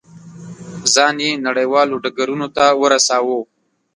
ځان یې نړیوالو ډګرونو ته ورساوه.